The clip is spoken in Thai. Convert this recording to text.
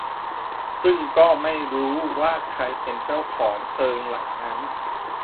ซึ่งก็ไม่รู้ว่าใครเป็นเจ้าของเพิงหลังนั้น